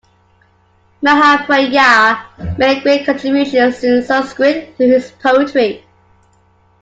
Mahapragya made great contributions to Sanskrit through his poetry.